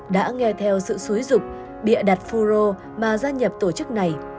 đã nghe thêm những bài hát của người dân đắc hoa